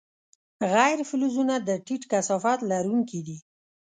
غیر فلزونه د ټیټ کثافت لرونکي دي.